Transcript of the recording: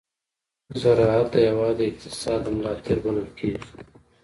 زراعت د هېواد د اقتصاد ملا تېر بلل کېږي.